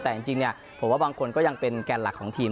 แต่จริงผมว่าบางคนก็ยังเป็นแกนหลักของทีม